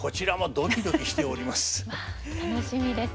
楽しみです。